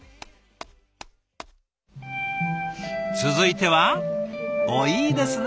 続いてはおっいいですね！